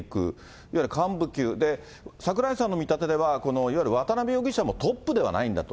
いわゆる幹部級、櫻井さんの見立てでは、このいわゆる渡辺容疑者もトップではないんだと。